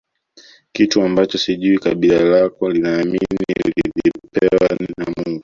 Kitu ambacho sijui kabila lako linaamini lilipewa nini na Mungu